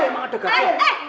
emang ada gas